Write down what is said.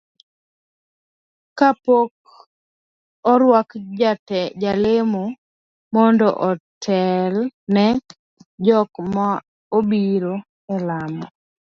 kapok orwuak jalemo mondo otel ne jok maneobiro e lamo